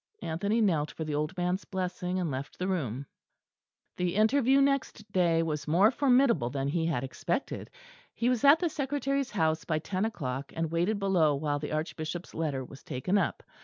Anthony knelt for the old man's blessing, and left the room. The interview next day was more formidable than he had expected. He was at the Secretary's house by ten o'clock, and waited below while the Archbishop's letter was taken up.